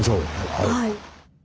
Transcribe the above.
はい。